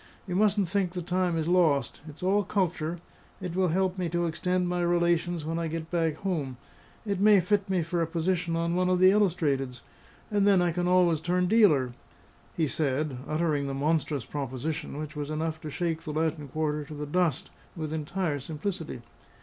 You mustn't think the time is lost. It's all culture; it will help me to extend my relations when I get back home; it may fit me for a position on one of the illustrateds; and then I can always turn dealer," he said, uttering the monstrous proposition, which was enough to shake the Latin Quarter to the dust, with entire simplicity.